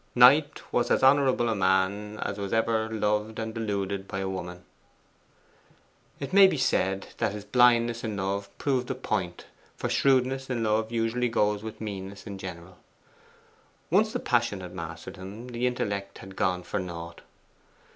Knight was as honourable a man as was ever loved and deluded by woman. It may be said that his blindness in love proved the point, for shrewdness in love usually goes with meanness in general. Once the passion had mastered him, the intellect had gone for naught.